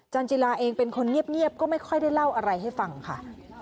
จิลาเองเป็นคนเงียบก็ไม่ค่อยได้เล่าอะไรให้ฟังค่ะ